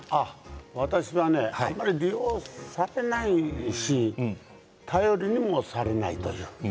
私はねあまり利用されないし頼りにもされない。